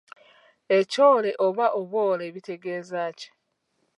Ekyole oba obwole bitegeeza ki?